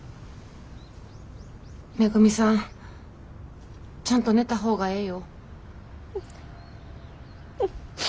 めぐみさんちゃんと寝た方がええよ。